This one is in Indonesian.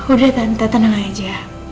udah tante tenang aja